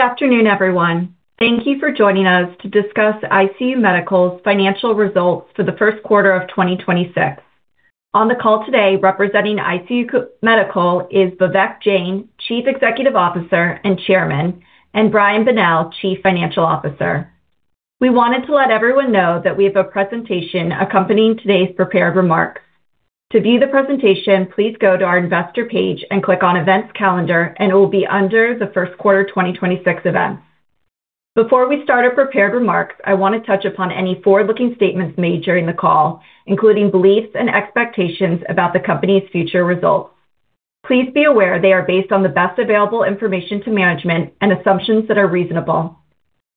Good afternoon, everyone. Thank you for joining us to discuss ICU Medical's financial results for the first quarter of 2026. On the call today representing ICU Medical is Vivek Jain, Chief Executive Officer and Chairman, and Brian Bonnell, Chief Financial Officer. We wanted to let everyone know that we have a presentation accompanying today's prepared remarks. To view the presentation, please go to our investor page and click on Events Calendar, and it will be under the first quarter 2026 events. Before we start our prepared remarks, I want to touch upon any forward-looking statements made during the call, including beliefs and expectations about the company's future results. Please be aware they are based on the best available information to management and assumptions that are reasonable.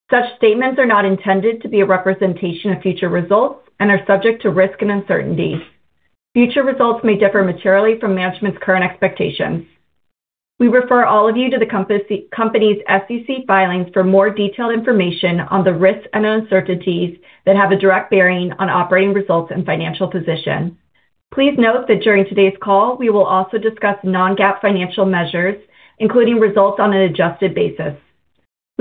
Such statements are not intended to be a representation of future results and are subject to risk and uncertainty. Future results may differ materially from management's current expectations. We refer all of you to the company's SEC filings for more detailed information on the risks and uncertainties that have a direct bearing on operating results and financial position. Please note that during today's call, we will also discuss non-GAAP financial measures, including results on an adjusted basis.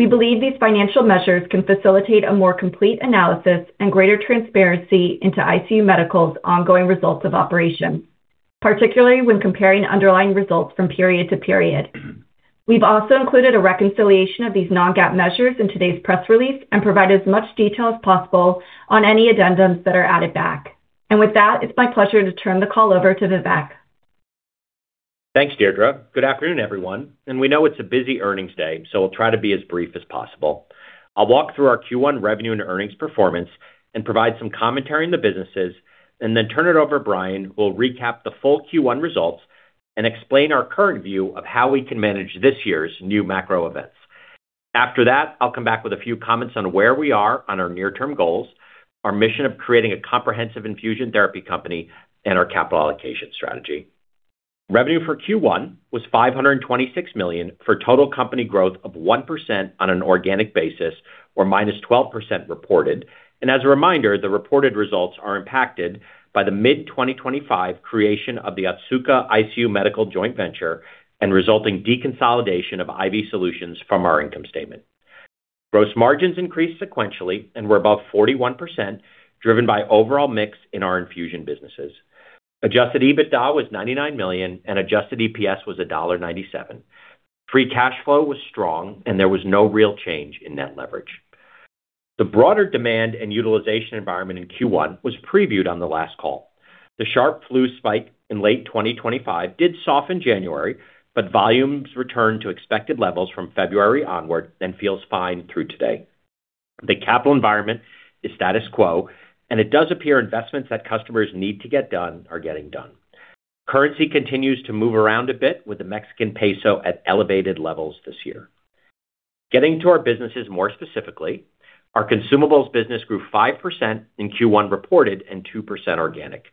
We believe these financial measures can facilitate a more complete analysis and greater transparency into ICU Medical's ongoing results of operation, particularly when comparing underlying results from period to period. We've also included a reconciliation of these non-GAAP measures in today's press release and provide as much detail as possible on any addendums that are added back. With that, it's my pleasure to turn the call over to Vivek. Thanks, [Deirdre]. Good afternoon, everyone. We know it's a busy earnings day, so we'll try to be as brief as possible. I'll walk through our Q1 revenue and earnings performance and provide some commentary on the businesses and then turn it over to Brian, who will recap the full Q1 results and explain our current view of how we can manage this year's new macro events. After that, I'll come back with a few comments on where we are on our near-term goals, our mission of creating a comprehensive infusion therapy company, and our capital allocation strategy. Revenue for Q1 was $526 million for total company growth of 1% on an organic basis, or -12% reported. As a reminder, the reported results are impacted by the mid-2025 creation of the Otsuka-ICU Medical joint venture and resulting deconsolidation of IV Solutions from our income statement. Gross margins increased sequentially and were above 41%, driven by overall mix in our infusion businesses. Adjusted EBITDA was $99 million, and adjusted EPS was $1.97. Free cash flow was strong, and there was no real change in net leverage. The broader demand and utilization environment in Q1 was previewed on the last call. The sharp flu spike in late 2025 did soften January, but volumes returned to expected levels from February onward and feels fine through today. The capital environment is status quo, and it does appear investments that customers need to get done are getting done. Currency continues to move around a bit with the Mexican peso at elevated levels this year. Getting to our businesses more specifically, our consumables business grew 5% in Q1 reported and 2% organic.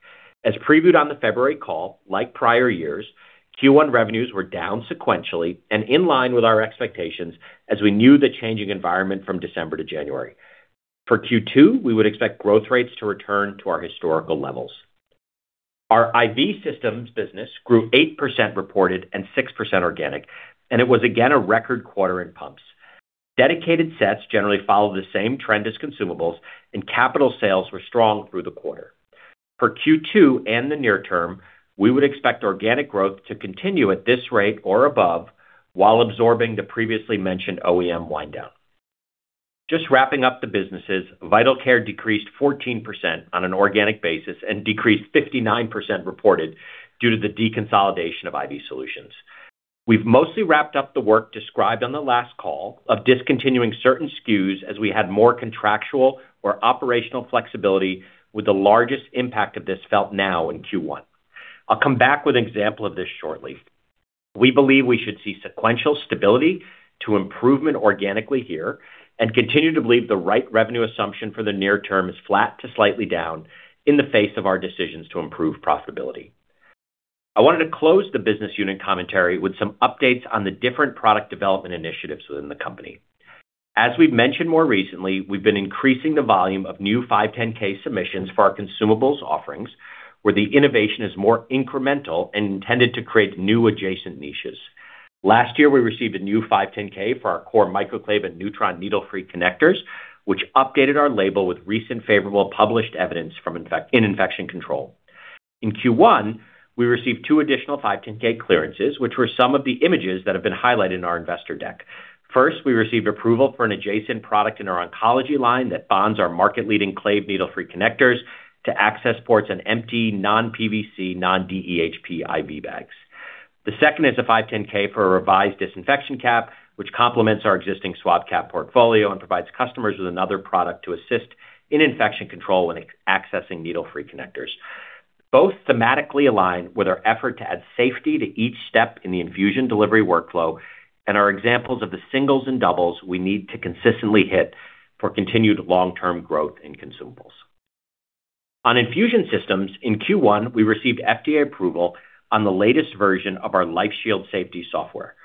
As previewed on the February call, like prior years, Q1 revenues were down sequentially and in line with our expectations as we knew the changing environment from December to January. For Q2, we would expect growth rates to return to our historical levels. Our IV systems business grew 8% reported and 6% organic, and it was again a record quarter in pumps. Dedicated sets generally follow the same trend as consumables, and capital sales were strong through the quarter. For Q2 and the near term, we would expect organic growth to continue at this rate or above while absorbing the previously mentioned OEM wind down. Just wrapping up the businesses, Vital Care decreased 14% on an organic basis and decreased 59% reported due to the deconsolidation of IV Solutions. We've mostly wrapped up the work described on the last call of discontinuing certain SKUs as we had more contractual or operational flexibility with the largest impact of this felt now in Q1. I'll come back with an example of this shortly. We believe we should see sequential stability to improvement organically here and continue to believe the right revenue assumption for the near term is flat to slightly down in the face of our decisions to improve profitability. I wanted to close the business unit commentary with some updates on the different product development initiatives within the company. As we've mentioned more recently, we've been increasing the volume of new 510(k) submissions for our consumables offerings, where the innovation is more incremental and intended to create new adjacent niches. Last year, we received a new 510(k) for our core MicroClave and Neutron needle-free connectors, which updated our label with recent favorable published evidence in infection control. In Q1, we received two additional 510(k) clearances, which were some of the images that have been highlighted in our investor deck. First, we received approval for an adjacent product in our oncology line that bonds our market-leading Clave needle-free connectors to access ports and empty non-PVC, non-DEHP IV bags. The second is a 510(k) for a revised disinfection cap, which complements our existing SwabCap portfolio and provides customers with another product to assist in infection control when accessing needle-free connectors. Both thematically align with our effort to add safety to each step in the infusion delivery workflow and are examples of the singles and doubles we need to consistently hit for continued long-term growth in consumables. On infusion systems, in Q1, we received FDA approval on the latest version of our LifeShield safety software.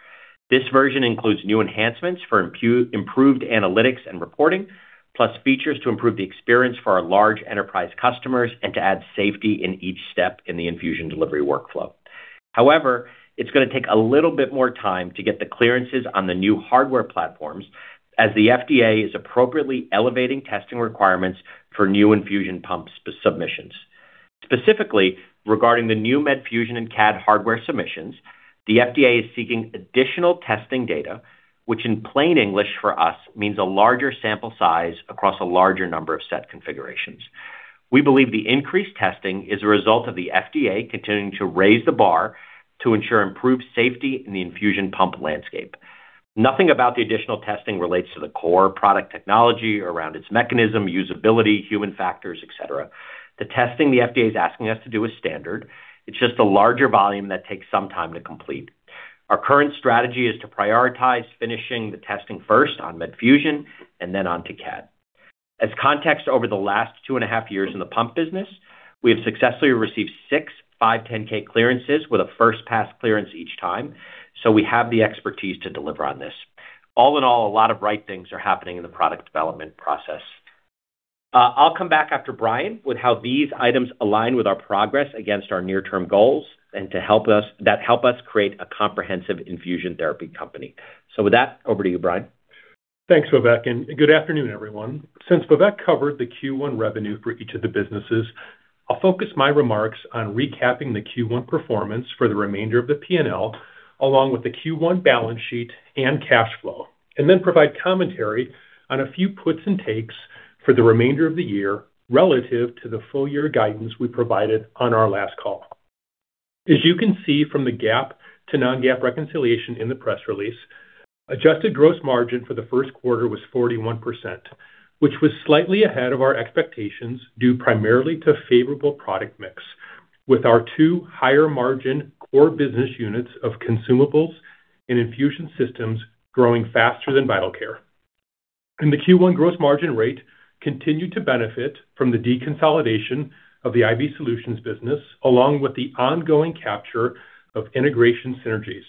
This version includes new enhancements for improved analytics and reporting, plus features to improve the experience for our large enterprise customers and to add safety in each step in the infusion delivery workflow. However, it's going to take a little bit more time to get the clearances on the new hardware platforms as the FDA is appropriately elevating testing requirements for new infusion pump submissions. Specifically, regarding the new Medfusion and CADD hardware submissions, the FDA is seeking additional testing data, which in plain English for us means a larger sample size across a larger number of set configurations. We believe the increased testing is a result of the FDA continuing to raise the bar to ensure improved safety in the infusion pump landscape. Nothing about the additional testing relates to the core product technology around its mechanism, usability, human factors, et cetera. The testing the FDA is asking us to do is standard. It's just a larger volume that takes some time to complete. Our current strategy is to prioritize finishing the testing first on Medfusion and then onto CADD. As context, over the last 2.5 years in the pump business, we have successfully received six, 510(k) clearances with a first pass clearance each time, so we have the expertise to deliver on this. All in all, a lot of right things are happening in the product development process. I'll come back after Brian with how these items align with our progress against our near-term goals and that help us create a comprehensive infusion therapy company. With that, over to you, Brian. Thanks, Vivek. Good afternoon, everyone. Since Vivek covered the Q1 revenue for each of the businesses, I'll focus my remarks on recapping the Q1 performance for the remainder of the P&L, along with the Q1 balance sheet and cash flow, then provide commentary on a few puts and takes for the remainder of the year relative to the full year guidance we provided on our last call. As you can see from the GAAP to non-GAAP reconciliation in the press release, adjusted gross margin for the first quarter was 41%, which was slightly ahead of our expectations, due primarily to favorable product mix with our two higher margin core business units of consumables and infusion systems growing faster than Vital Care. The Q1 gross margin rate continued to benefit from the deconsolidation of the IV Solutions business, along with the ongoing capture of integration synergies.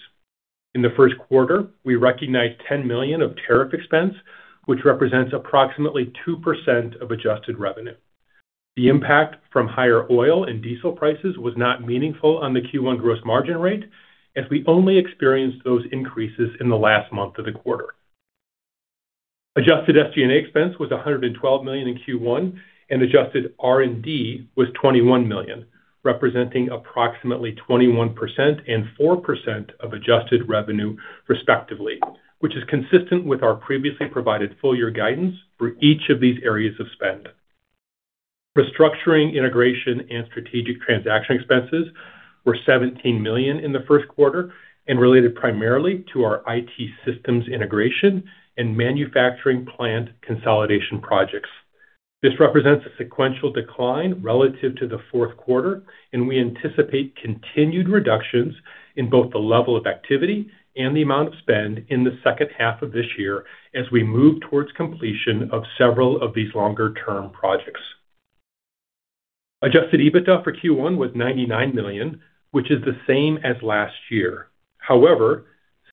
In the first quarter, we recognized $10 million of tariff expense, which represents approximately 2% of adjusted revenue. The impact from higher oil and diesel prices was not meaningful on the Q1 gross margin rate as we only experienced those increases in the last month of the quarter. Adjusted SG&A expense was $112 million in Q1, and adjusted R&D was $21 million, representing approximately 21% and 4% of adjusted revenue, respectively, which is consistent with our previously provided full year guidance for each of these areas of spend. Restructuring, integration, and strategic transaction expenses were $17 million in the first quarter and related primarily to our IT systems integration and manufacturing plant consolidation projects. This represents a sequential decline relative to the fourth quarter, and we anticipate continued reductions in both the level of activity and the amount of spend in the second half of this year as we move towards completion of several of these longer-term projects. adjusted EBITDA for Q1 was $99 million, which is the same as last year. However,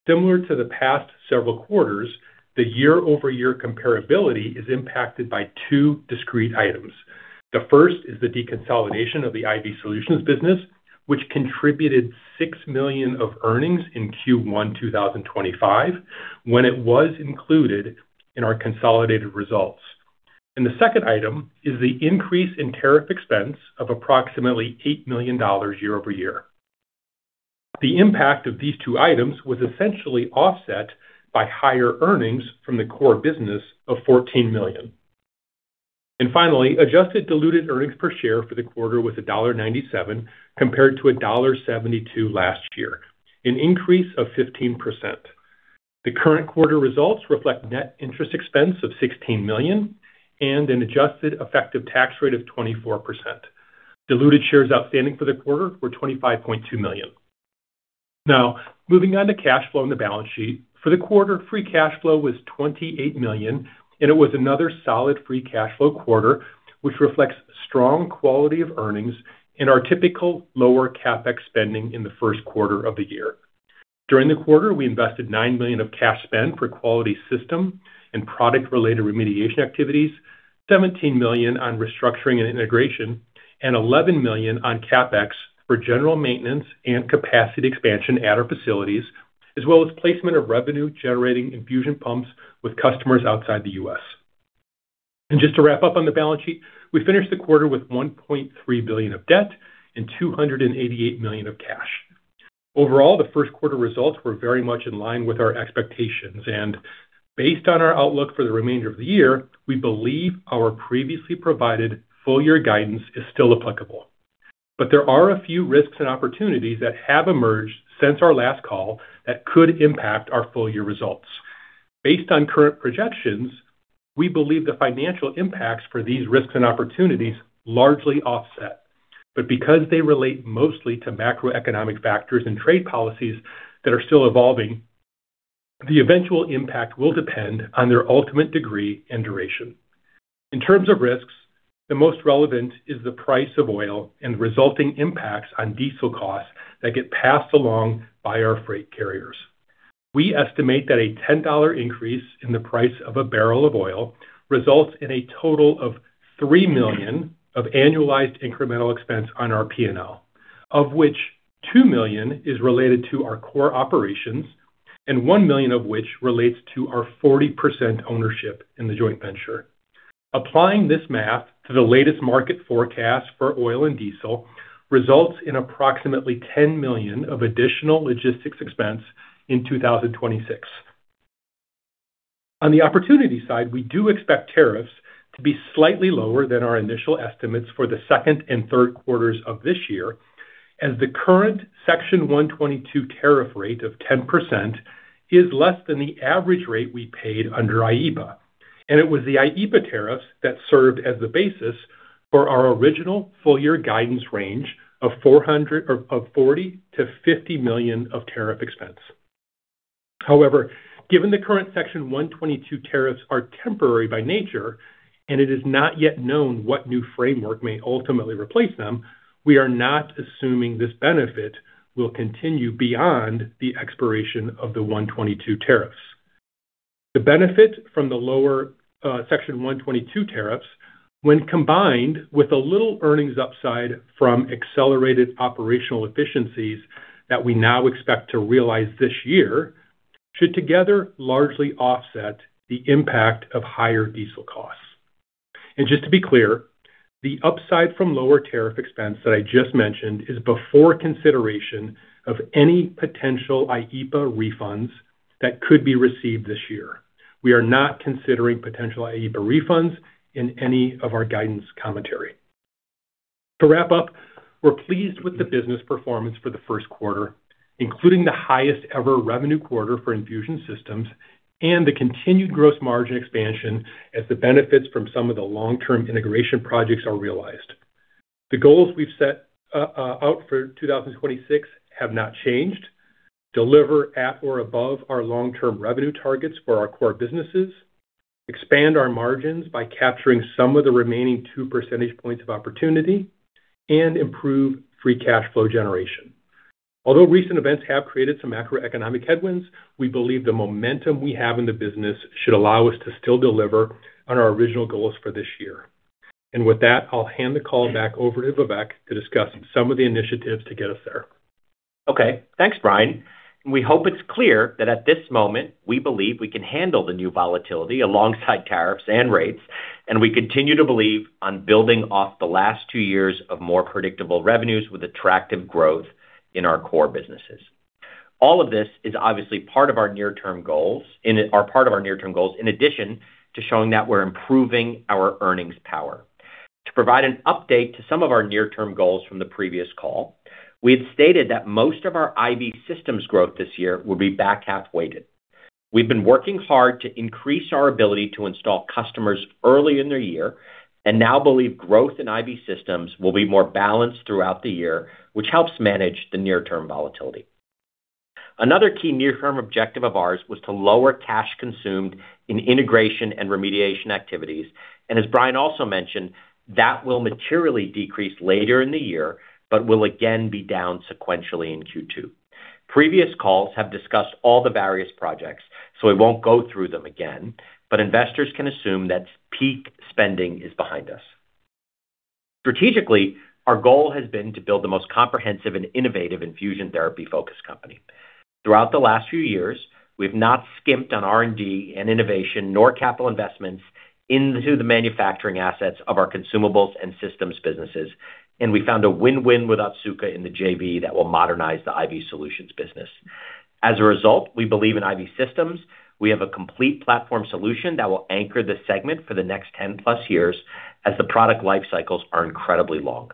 similar to the past several quarters, the year-over-year comparability is impacted by two discrete items. The first is the deconsolidation of the IV Solutions business, which contributed $6 million of earnings in Q1 2025 when it was included in our consolidated results. The second item is the increase in tariff expense of approximately $8 million year-over-year. The impact of these two items was essentially offset by higher earnings from the core business of $14 million. Finally, adjusted diluted earnings per share for the quarter was $1.97 compared to $1.72 last year, an increase of 15%. The current quarter results reflect net interest expense of $16 million and an adjusted effective tax rate of 24%. Diluted shares outstanding for the quarter were 25.2 million. Moving on to cash flow and the balance sheet. For the quarter, free cash flow was $28 million, and it was another solid free cash flow quarter, which reflects strong quality of earnings and our typical lower CapEx spending in the first quarter of the year. During the quarter, we invested $9 million of cash spend for quality system and product-related remediation activities, $17 million on restructuring and integration, and $11 million on CapEx for general maintenance and capacity expansion at our facilities, as well as placement of revenue generating infusion pumps with customers outside the U.S. Just to wrap up on the balance sheet, we finished the quarter with $1.3 billion of debt and $288 million of cash. Overall, the first quarter results were very much in line with our expectations. Based on our outlook for the remainder of the year, we believe our previously provided full year guidance is still applicable. There are a few risks and opportunities that have emerged since our last call that could impact our full year results. Based on current projections, we believe the financial impacts for these risks and opportunities largely offset. Because they relate mostly to macroeconomic factors and trade policies that are still evolving, the eventual impact will depend on their ultimate degree and duration. In terms of risks, the most relevant is the price of oil and the resulting impacts on diesel costs that get passed along by our freight carriers. We estimate that a $10 increase in the price of a barrel of oil results in a total of $3 million of annualized incremental expense on our P&L, of which $2 million is related to our core operations and $1 million of which relates to our 40% ownership in the joint venture. Applying this math to the latest market forecast for oil and diesel results in approximately $10 million of additional logistics expense in 2026. On the opportunity side, we do expect tariffs to be slightly lower than our initial estimates for the second and third quarters of this year, as the current Section 122 tariff rate of 10% is less than the average rate we paid under IEEPA. It was the IEEPA tariffs that served as the basis for our original full year guidance range of $40 million-$50 million of tariff expense. However, given the current Section 122 tariffs are temporary by nature, and it is not yet known what new framework may ultimately replace them, we are not assuming this benefit will continue beyond the expiration of the 122 tariffs. The benefit from the lower Section 122 tariffs, when combined with a little earnings upside from accelerated operational efficiencies that we now expect to realize this year, should together largely offset the impact of higher diesel costs. Just to be clear, the upside from lower tariff expense that I just mentioned is before consideration of any potential IEEPA refunds that could be received this year. We are not considering potential IEEPA refunds in any of our guidance commentary. To wrap up, we're pleased with the business performance for the first quarter, including the highest ever revenue quarter for infusion systems and the continued gross margin expansion as the benefits from some of the long-term integration projects are realized. The goals we've set out for 2026 have not changed. Deliver at or above our long-term revenue targets for our core businesses, expand our margins by capturing some of the remaining 2 percentage points of opportunity, and improve free cash flow generation. Although recent events have created some macroeconomic headwinds, we believe the momentum we have in the business should allow us to still deliver on our original goals for this year. With that, I'll hand the call back over to Vivek to discuss some of the initiatives to get us there. Okay. Thanks, Brian. We hope it's clear that at this moment, we believe we can handle the new volatility alongside tariffs and rates, and we continue to believe on building off the last two years of more predictable revenues with attractive growth in our core businesses. All of this is obviously part of our near-term goals, are part of our near-term goals, in addition to showing that we're improving our earnings power. To provide an update to some of our near-term goals from the previous call, we had stated that most of our IV Systems growth this year will be back half weighted. We've been working hard to increase our ability to install customers early in their year and now believe growth in IV Systems will be more balanced throughout the year, which helps manage the near-term volatility. Another key near-term objective of ours was to lower cash consumed in integration and remediation activities. As Brian also mentioned, that will materially decrease later in the year, but will again be down sequentially in Q2. Previous calls have discussed all the various projects, so I won't go through them again, but investors can assume that peak spending is behind us. Strategically, our goal has been to build the most comprehensive and innovative infusion therapy-focused company. Throughout the last few years, we've not skimped on R&D and innovation nor capital investments into the manufacturing assets of our consumables and systems businesses, and we found a win-win with Otsuka in the JV that will modernize the IV Solutions business. As a result, we believe in IV Systems, we have a complete platform solution that will anchor the segment for the next 10+ years as the product life cycles are incredibly long.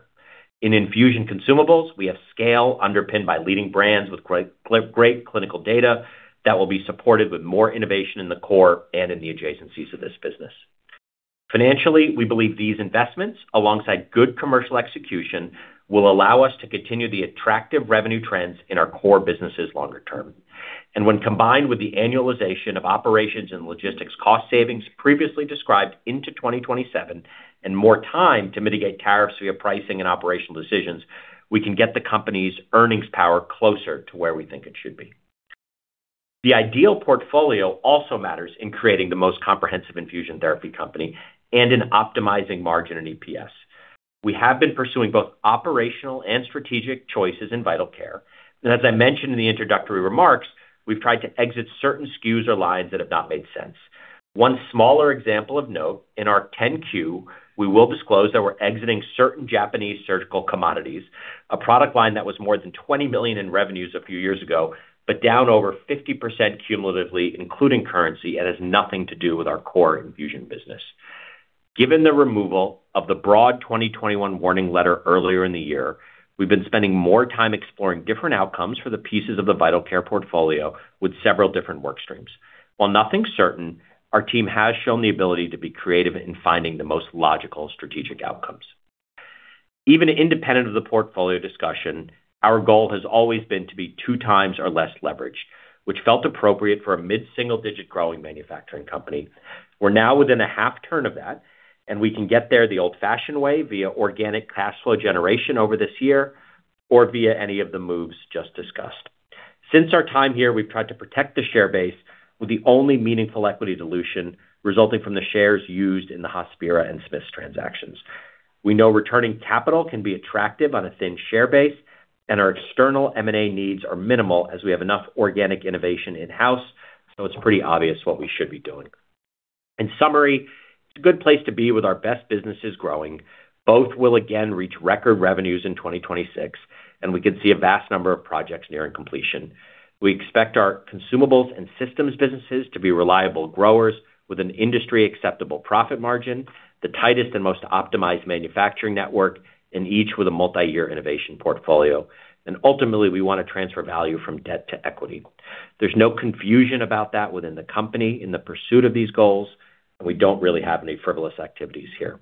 In infusion consumables, we have scale underpinned by leading brands with great clinical data that will be supported with more innovation in the core and in the adjacencies of this business. Financially, we believe these investments, alongside good commercial execution, will allow us to continue the attractive revenue trends in our core businesses longer term. When combined with the annualization of operations and logistics cost savings previously described into 2027 and more time to mitigate tariffs via pricing and operational decisions, we can get the company's earnings power closer to where we think it should be. The ideal portfolio also matters in creating the most comprehensive infusion therapy company and in optimizing margin and EPS. We have been pursuing both operational and strategic choices in Vital Care. As I mentioned in the introductory remarks, we've tried to exit certain SKUs or lines that have not made sense. One smaller example of note, in our 10-Q, we will disclose that we're exiting certain Japanese surgical commodities, a product line that was more than $20 million in revenues a few years ago, but down over 50% cumulatively, including currency, and has nothing to do with our core infusion business. Given the removal of the broad 2021 warning letter earlier in the year, we've been spending more time exploring different outcomes for the pieces of the Vital Care portfolio with several different work streams. While nothing's certain, our team has shown the ability to be creative in finding the most logical strategic outcomes. Even independent of the portfolio discussion, our goal has always been to be two times or less leverage, which felt appropriate for a mid-single-digit growing manufacturing company. We're now within a half turn of that, and we can get there the old-fashioned way via organic cash flow generation over this year or via any of the moves just discussed. Since our time here, we've tried to protect the share base with the only meaningful equity dilution resulting from the shares used in the Hospira and Smiths transactions. We know returning capital can be attractive on a thin share base, and our external M&A needs are minimal as we have enough organic innovation in-house, so it's pretty obvious what we should be doing. In summary, it's a good place to be with our best businesses growing. Both will again reach record revenues in 2026, and we can see a vast number of projects nearing completion. We expect our consumables and systems businesses to be reliable growers with an industry-acceptable profit margin, the tightest and most optimized manufacturing network, and each with a multi-year innovation portfolio. Ultimately, we want to transfer value from debt to equity. There's no confusion about that within the company in the pursuit of these goals, and we don't really have any frivolous activities here.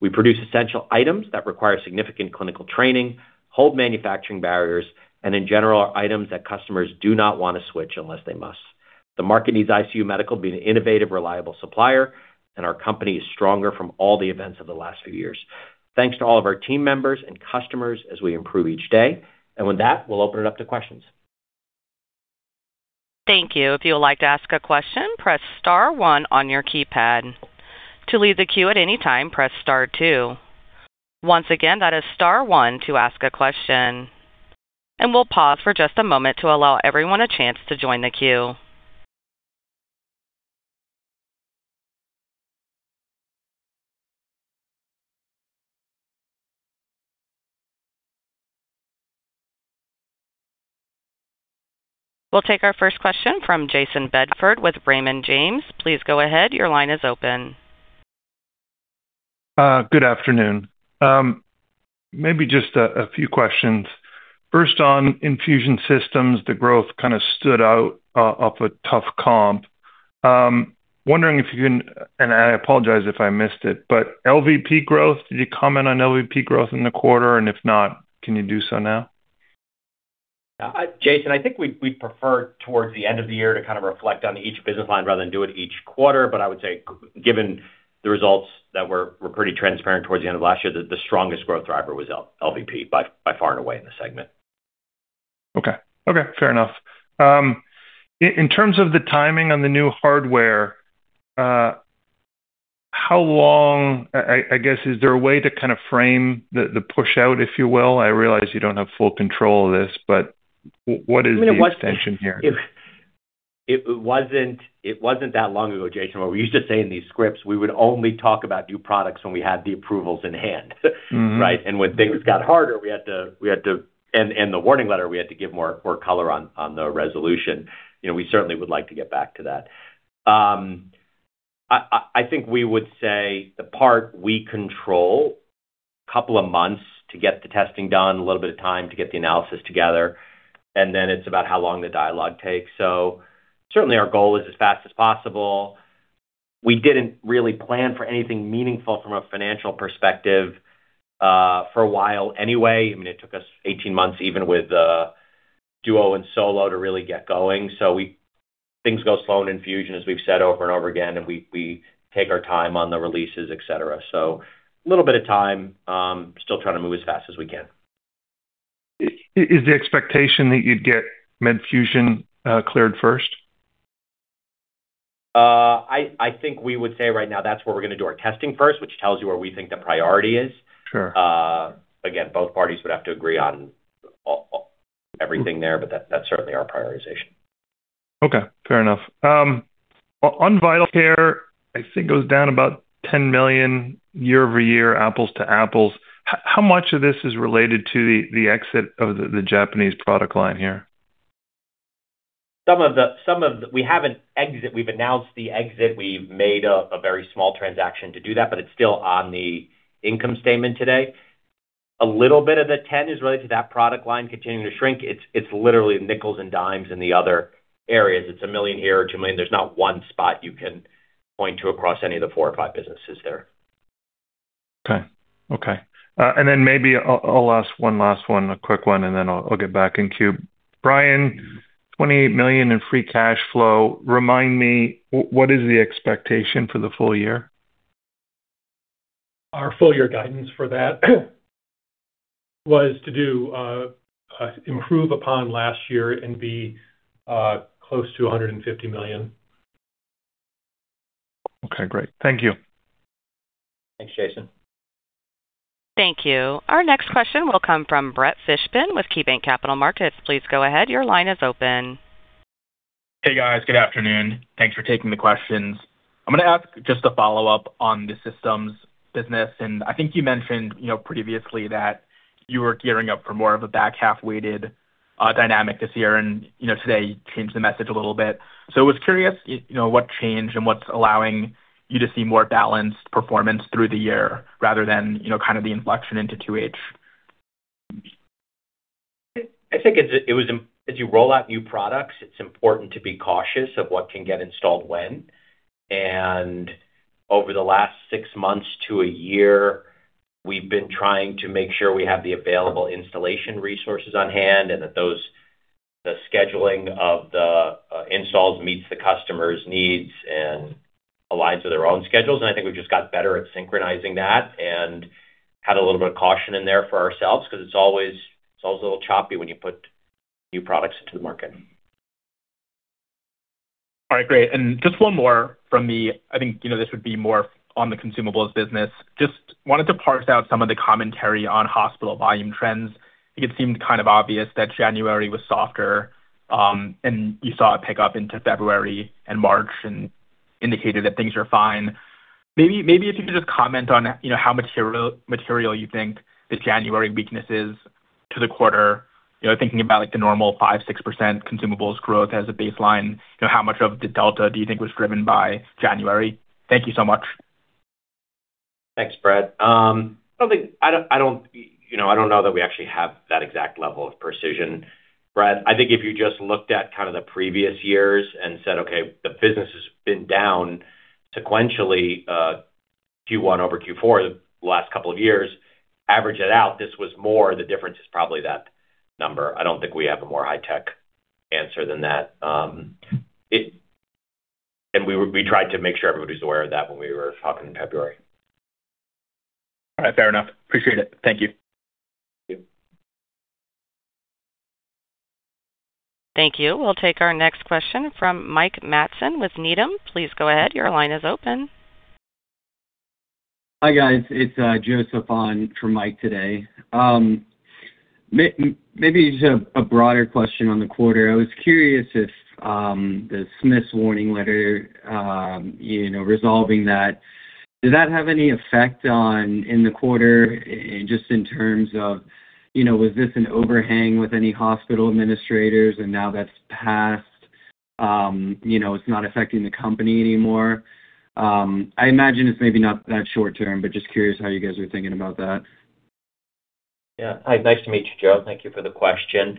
We produce essential items that require significant clinical training, hold manufacturing barriers, and in general, are items that customers do not want to switch unless they must. The market needs ICU Medical to be an innovative, reliable supplier, and our company is stronger from all the events of the last few years. Thanks to all of our team members and customers as we improve each day. With that, we'll open it up to questions. Thank you. If you would like to ask a question, press star one on you keypad. To leave the queue at any time, press star too. Once again that is star one to as a question. And we'll pause for jus a moment to allow everyone a chance to join the queue. We'll take our first question from Jayson Bedford with Raymond James. Please go ahead. Your line is open. Good afternoon. Maybe just a few questions. On infusion systems, the growth kind of stood out off a tough comp. Wondering if you can, and I apologize if I missed it, but LVP growth, did you comment on LVP growth in the quarter? If not, can you do so now? Jayson, I think we prefer towards the end of the year to kind of reflect on each business line rather than do it each quarter. I would say given the results that were pretty transparent towards the end of last year, the strongest growth driver was LVP by far and away in the segment. Okay. Okay, fair enough. In terms of the timing on the new hardware, how long I guess, is there a way to kind of frame the push out, if you will? I realize you don't have full control of this, what is the extension here? It wasn't that long ago, Jayson, where we used to say in these scripts, we would only talk about new products when we had the approvals in hand. Right. When things got harder, and the warning letter, we had to give more color on the resolution. You know, we certainly would like to get back to that. I think we would say the part we control, couple of months to get the testing done, a little bit of time to get the analysis together, then it's about how long the dialogue takes. Certainly our goal is as fast as possible. We didn't really plan for anything meaningful from a financial perspective for a while anyway. I mean, it took us 18 months, even with Duo and Solo to really get going. Things go slow in Infusion, as we've said over and over again, and we take our time on the releases, et cetera. A little bit of time, still trying to move as fast as we can. Is the expectation that you'd get Medfusion cleared first? I think we would say right now that's where we're gonna do our testing first, which tells you where we think the priority is. Sure. Again, both parties would have to agree on all everything there, but that's certainly our prioritization. Okay, fair enough. On Vital Care, I think it goes down about $10 million year-over-year, apples to apples. How much of this is related to the exit of the Japanese product line here? We haven't exit. We've announced the exit. We've made a very small transaction to do that, but it's still on the income statement today. A little bit of the 10 is related to that product line continuing to shrink. It's literally nickels and dimes in the other areas. It's $1 million here, $2 million. There's not one spot you can point to across any of the four or five businesses there. Okay. Okay. Maybe one last one, a quick one, I'll get back in queue. Brian, $28 million in free cash flow. Remind me, what is the expectation for the full year? Our full year guidance for that was to do improve upon last year and be close to $150 million. Okay, great. Thank you. Thanks, Jayson. Thank you. Our next question will come from Brett Fishbin with KeyBanc Capital Markets. Please go ahead. Hey, guys. Good afternoon. Thanks for taking the questions. I'm gonna ask just a follow-up on the systems business, I think you mentioned, you know, previously that you were gearing up for more of a back half weighted dynamic this year, you know, today changed the message a little bit. I was curious, you know, what changed and what's allowing you to see more balanced performance through the year rather than, you know, kind of the inflection into 2H. I think as you roll out new products, it's important to be cautious of what can get installed when. Over the last six months to a year, we've been trying to make sure we have the available installation resources on hand and that the scheduling of the installs meets the customer's needs and aligns with their own schedules. I think we've just got better at synchronizing that and had a little bit of caution in there for ourselves because it's always a little choppy when you put new products into the market. All right, great. Just one more from me. I think, you know, this would be more on the consumables business. Just wanted to parse out some of the commentary on hospital volume trends. I think it seemed kind of obvious that January was softer, and you saw it pick up into February and March and indicated that things are fine. Maybe if you could just comment on, you know, how material you think this January weakness is to the quarter. You know, thinking about, like, the normal 5%, 6% consumables growth as a baseline. You know, how much of the delta do you think was driven by January? Thank you so much. Thanks, Brett. You know, I don't know that we actually have that exact level of precision, Brett. I think if you just looked at kind of the previous years and said, okay, the business has been down sequentially, Q1 over Q4 the last couple of years, average it out, this was more, the difference is probably that number. I don't think we have a more high-tech answer than that. We tried to make sure everybody was aware of that when we were talking in February. All right, fair enough. Appreciate it. Thank you. Thank you. Thank you. We'll take our next question from Mike Matson with Needham. Hi, guys. It's [Joe Suffon] on for Mike today. Maybe just a broader question on the quarter. I was curious if the Smiths warning letter, you know, resolving that, did that have any effect on in the quarter just in terms of, you know, was this an overhang with any hospital administrators and now that's passed, you know, it's not affecting the company anymore? I imagine it's maybe not that short-term, but just curious how you guys are thinking about that. Hi. Nice to meet you, Joe. Thank you for the question.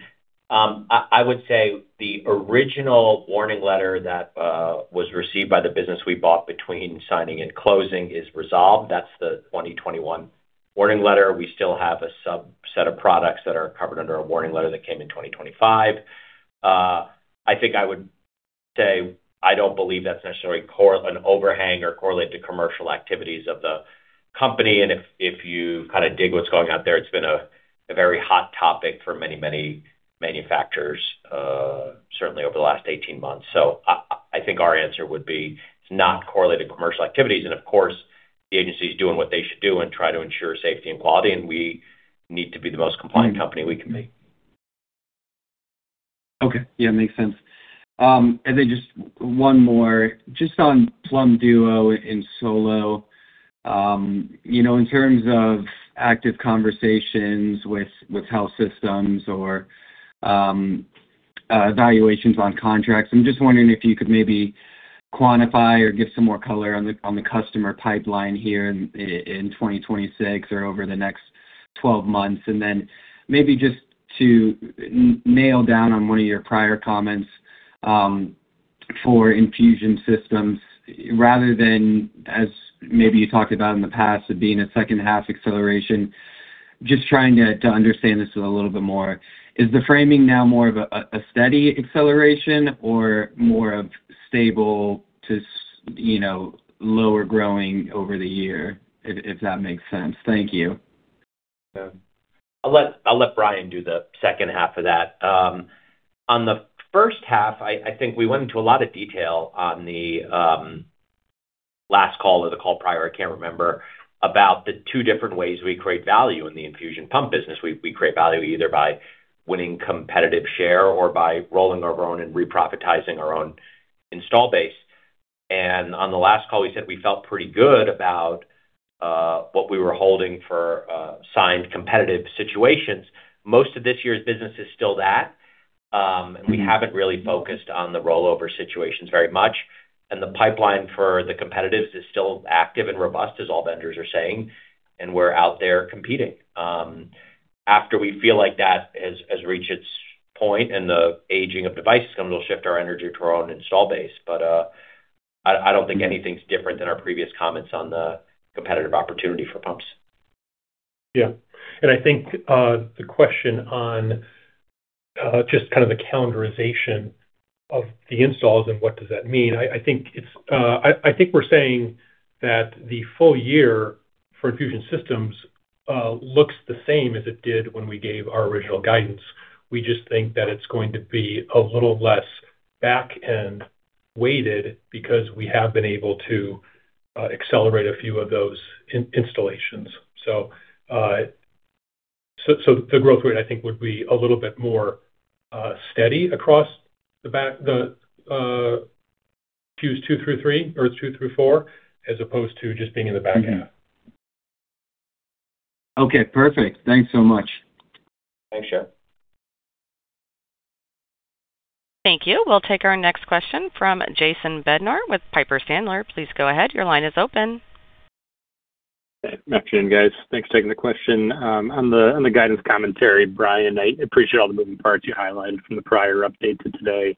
I would say the original warning letter that was received by the business we bought between signing and closing is resolved. That's the 2021 warning letter. We still have a subset of products that are covered under a warning letter that came in 2025. I think I would say I don't believe that's necessarily an overhang or correlate to commercial activities of the company. If you kind of dig what's going out there, it's been a very hot topic for many manufacturers, certainly over the last 18 months. I think our answer would be it's not correlated commercial activities. Of course, the agency is doing what they should do and try to ensure safety and quality, and we need to be the most compliant company we can be. Okay. Yeah, makes sense. Just one more just on Plum Duo and Solo. You know, in terms of active conversations with health systems or evaluations on contracts, I'm just wondering if you could maybe quantify or give some more color on the, on the customer pipeline here in 2026 or over the next 12 months. Maybe just to nail down on one of your prior comments, for infusion systems, rather than as maybe you talked about in the past of being a second-half acceleration, just trying to understand this a little bit more. Is the framing now more of a steady acceleration or more of stable to you know, lower growing over the year, if that makes sense? Thank you. Yeah. I'll let Brian do the second half of that. On the first half, I think we went into a lot of detail on the last call or the call prior, I can't remember, about the two different ways we create value in the infusion pump business. We create value either by winning competitive share or by rolling our own and re-profitizing our own install base. On the last call, we said we felt pretty good about what we were holding for signed competitive situations. Most of this year's business is still that. We haven't really focused on the rollover situations very much. The pipeline for the competitives is still active and robust, as all vendors are saying. We're out there competing. After we feel like that has reached its point and the aging of devices comes, we'll shift our energy to our own install base. I do not think anything's different than our previous comments on the competitive opportunity for pumps. Yeah. I think the question on just kind of the calendarization of the installs and what does that mean, I think we're saying that the full year for infusion systems looks the same as it did when we gave our original guidance. We just think that it's going to be a little less back-end weighted because we have been able to accelerate a few of those in-installations. So the growth rate, I think, would be a little bit more steady across two through three or two through four, as opposed to just being in the back half. Okay, perfect. Thanks so much. Thanks, Joe. Thank you. We'll take our next question from Jason Bednar with Piper Sandler. Please go ahead. Your line is open. Hey, afternoon, guys. Thanks for taking the question. On the guidance commentary, Brian, I appreciate all the moving parts you highlighted from the prior update to today.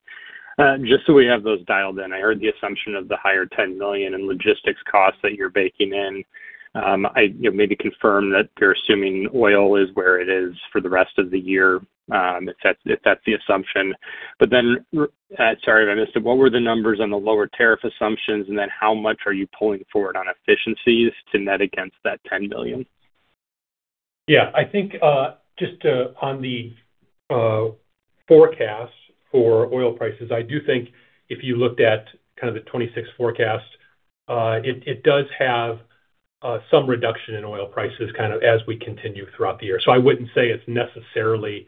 Just so we have those dialed in, I heard the assumption of the higher $10 million in logistics costs that you're baking in. You know, maybe confirm that you're assuming oil is where it is for the rest of the year, if that's the assumption. Sorry if I missed it, what were the numbers on the lower tariff assumptions, and then how much are you pulling forward on efficiencies to net against that $10 million? Yeah. I think, just on the forecast for oil prices, I do think if you looked at kind of the 2026 forecast, it does have some reduction in oil prices kind of as we continue throughout the year. I wouldn't say it's necessarily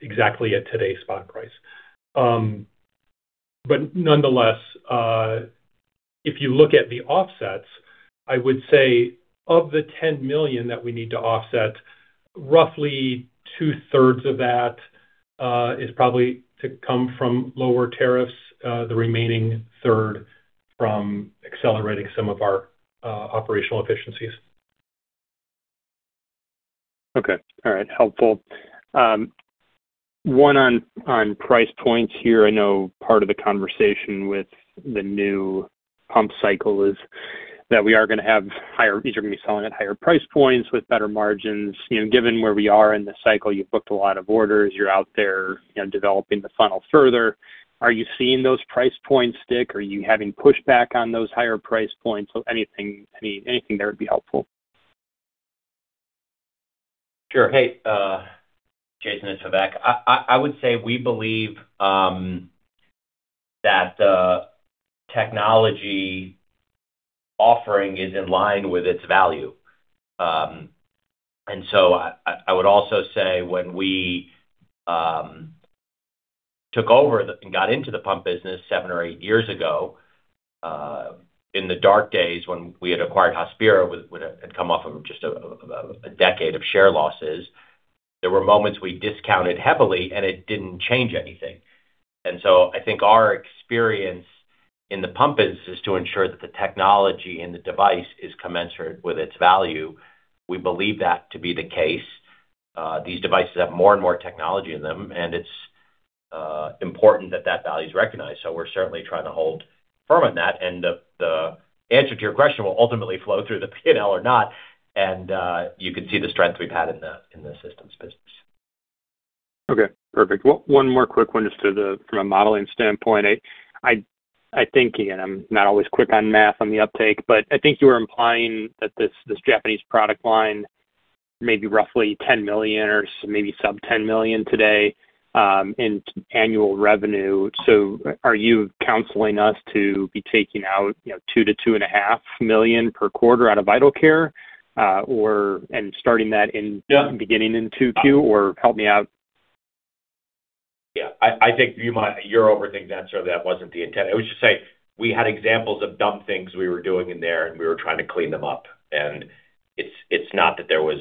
exactly at today's spot price. Nonetheless, if you look at the offsets, I would say of the $10 million that we need to offset, roughly two-third of that is probably to come from lower tariffs, the remaining third from accelerating some of our operational efficiencies. Okay. All right. Helpful. One on price points here. I know part of the conversation with the new pump cycle is that we are going to have these are going to be selling at higher price points with better margins. You know, given where we are in the cycle, you've booked a lot of orders. You're out there, you know, developing the funnel further. Are you seeing those price points stick? Are you having pushback on those higher price points? Anything, I mean, anything there would be helpful. Sure. Hey, Jason, it's Vivek. I would say we believe that the technology offering is in line with its value. I would also say when we got into the pump business seven or eight years ago, in the dark days when we had acquired Hospira, had come off of just a decade of share losses, there were moments we discounted heavily, and it didn't change anything. I think our experience in the pump business is to ensure that the technology and the device is commensurate with its value. We believe that to be the case. These devices have more and more technology in them, and it's important that that value is recognized. We're certainly trying to hold firm on that. The answer to your question will ultimately flow through the P&L or not. You can see the strength we've had in the systems business. Okay. Perfect. One more quick one just from a modeling standpoint. I think, again, I'm not always quick on math on the uptake, but I think you were implying that this Japanese product line may be roughly $10 million or maybe sub $10 million today in annual revenue. Are you counseling us to be taking out, you know, $2 million-$2.5 million per quarter out of Vital Care or starting that in? Yeah. beginning in 2Q, or help me out? I think you're overthinking that, sir. That wasn't the intent. I would just say we had examples of dumb things we were doing in there, we were trying to clean them up. It's, it's not that there was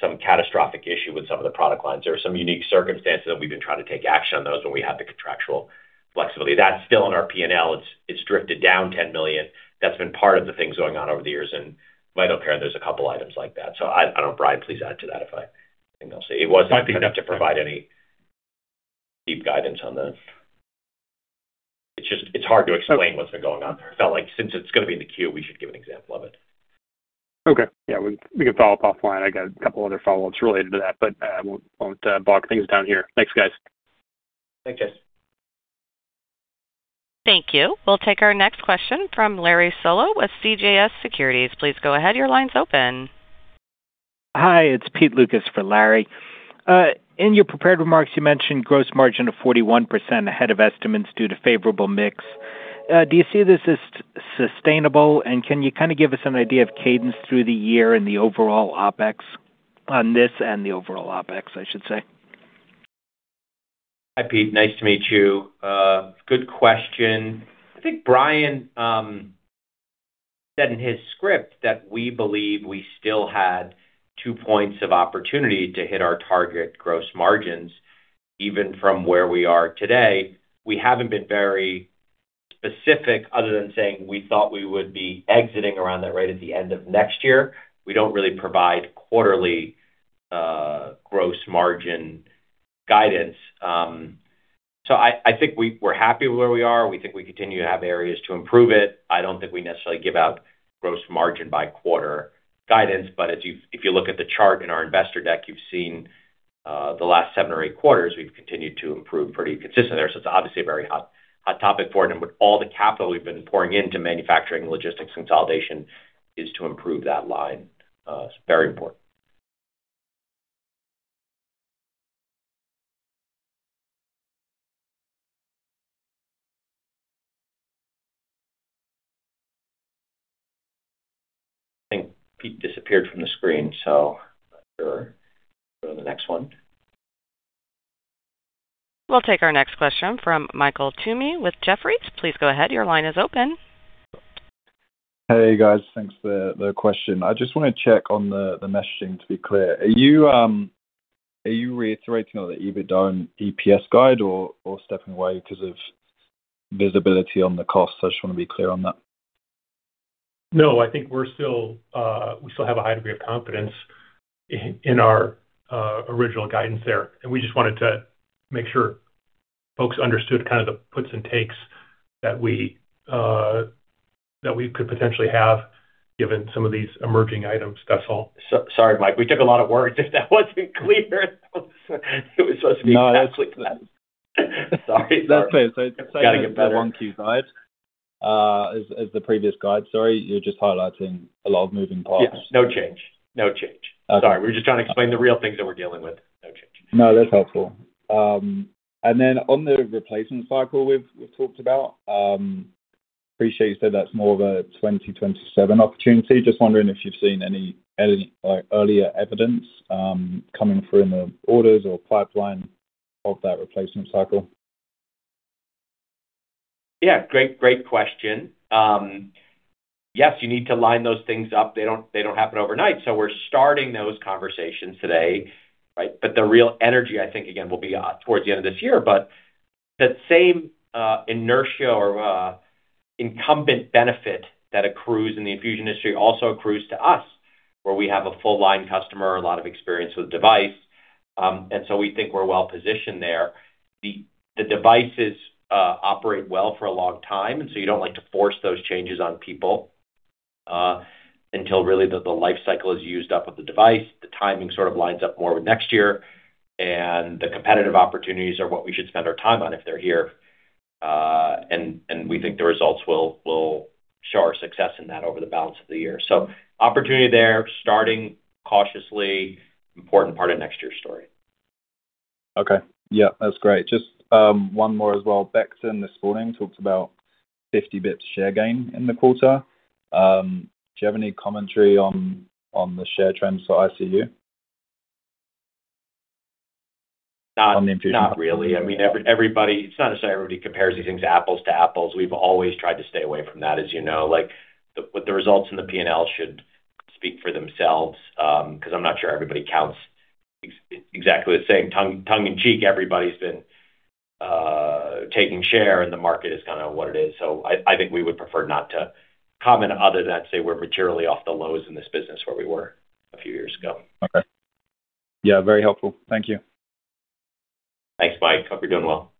some catastrophic issue with some of the product lines. There were some unique circumstances, we've been trying to take action on those when we had the contractual flexibility. That's still in our P&L. It's, it's drifted down $10 million. That's been part of the things going on over the years in Vital Care, there's a couple items like that. I don't, Brian, please add to that. I think that's right. Enough to provide any deep guidance on the It's just, it's hard to explain what's been going on there. It felt like since it's gonna be in the 10-Q, we should give an example of it. Okay. Yeah. We can follow up offline. I got a couple other follow-ups related to that, but won't bog things down here. Thanks, guys. Thanks, Jason. Thank you. We'll take our next question from Larry Solow with CJS Securities. Hi, it's Pete Lucas for Larry. In your prepared remarks, you mentioned gross margin of 41% ahead of estimates due to favorable mix. Do you see this as sustainable, and can you kind of give us an idea of cadence through the year and the overall OpEx on this, I should say? Hi, Pete. Nice to meet you. Good question. I think Brian said in his script that we believe we still had two points of opportunity to hit our target gross margins, even from where we are today. We haven't been very specific other than saying we thought we would be exiting around that rate at the end of next year. We don't really provide quarterly gross margin guidance. I think we're happy where we are. We think we continue to have areas to improve it. I don't think we necessarily give out gross margin by quarter guidance. If you, if you look at the chart in our investor deck, you've seen the last seven or eight quarters, we've continued to improve pretty consistent there. It's obviously a very hot topic for it. With all the capital we've been pouring into manufacturing and logistics consolidation is to improve that line. It's very important. I think Pete disappeared from the screen, so not sure. Go to the next one. We'll take our next question from Michael Toomey with Jefferies. Please go ahead. Your line is open. Hey, guys. Thanks for the question. I just want to check on the messaging to be clear. Are you reiterating on the EBITDA and EPS guide or stepping away because of visibility on the cost? I just want to be clear on that. No, I think we're still, we still have a high degree of confidence in our original guidance there. We just want to make sure Folks understood kind of the puts and takes that we that we could potentially have given some of these emerging items. That's all. Sorry, Mike, we took a lot of words. If that wasn't clear, it was supposed to be absolutely clear. Sorry. That's it. I think that one, two guides, as the previous guide. Sorry. You're just highlighting a lot of moving parts. Yes. No change. No change. Okay. Sorry. We're just trying to explain the real things that we're dealing with. No change. No, that's helpful. On the replacement cycle we've talked about, appreciate you said that's more of a 2027 opportunity. Just wondering if you've seen any, like, earlier evidence, coming through in the orders or pipeline of that replacement cycle? Yeah. Great, great question. Yes, you need to line those things up. They don't happen overnight. We're starting those conversations today, right? The real energy, I think, again, will be towards the end of this year. That same inertia or incumbent benefit that accrues in the infusion industry also accrues to us, where we have a full line customer, a lot of experience with devices. We think we're well-positioned there. The devices operate well for a long time, you don't like to force those changes on people until really the life cycle is used up of the device. The timing sort of lines up more with next year, the competitive opportunities are what we should spend our time on if they're here. We think the results will show our success in that over the balance of the year. Opportunity there, starting cautiously, important part of next year's story. Okay. Yeah, that's great. Just one more as well. Becton this morning talked about 50 basis points share gain in the quarter. Do you have any commentary on the share trends for ICU? Not really. I mean, everybody. It's not necessarily everybody compares these things to apples to apples. We've always tried to stay away from that, as you know. Like, the results in the P&L should speak for themselves, 'cause I'm not sure everybody counts exactly the same tongue in cheek. Everybody's been taking share, the market is kind of what it is. I think we would prefer not to comment other than say we're materially off the lows in this business where we were a few years ago. Okay. Yeah, very helpful. Thank you. Thanks, Mike. Hope you're doing well.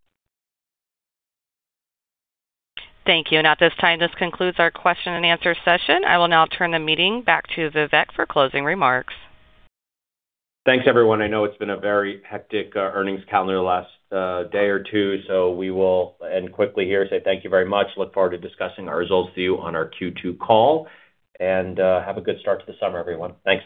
Thank you. At this time, this concludes our question and answer session. I will now turn the meeting back to Vivek for closing remarks. Thanks, everyone. I know it's been a very hectic earnings calendar the last day or two, so we will end quickly here. Say thank you very much. Look forward to discussing our results with you on our Q2 call. Have a good start to the summer, everyone. Thanks.